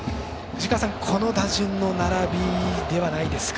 この打順の並びではないですか？